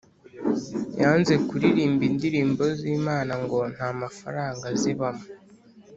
yanze kuririmba indirimbo z’Imana ngo ntamafaranga azibamo